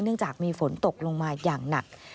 เนื่องจากมีฝนตกลงมาอย่างหนัก